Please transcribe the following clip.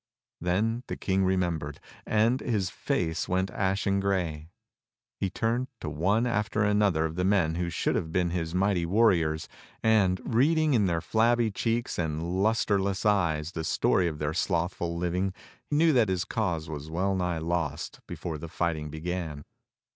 Then the King remembered, and his face went ashen grey. He turned to one after another of the men who should have been his mighty warriors, and, reading in their flabby cheeks and lustreless eyes the story of their slothful living, knew that his cause was well nigh lost before the fighting began.